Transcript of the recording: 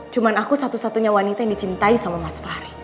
cuma aku satu satunya wanita yang dicintai sama mas fahri